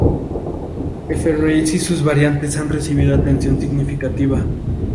F-Race y sus variantes han recibido atención significativa.